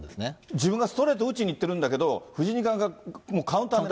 自分がストレート打ちにいってるんだけど、藤井二冠がカウンターを。